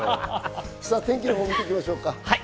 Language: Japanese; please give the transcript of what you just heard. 天気のほう、見ていきましょうか。